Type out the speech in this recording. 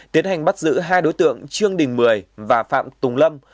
tiến hành bắt giữ hai đối tượng trương đình mười và phạm tùng lâm